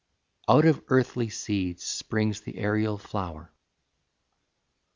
Out of earthly seeds Springs the aerial flower.